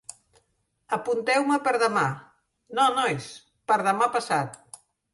Apunteu-me per demà, no, nois, per demà passat.